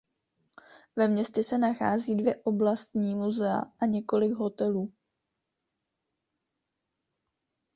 Ve městě se nachází dvě oblastní muzea a několik hotelů.